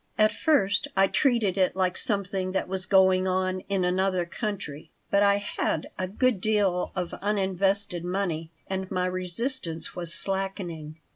At first I treated it like something that was going on in another country. But I had a good deal of uninvested money and my resistance was slackening.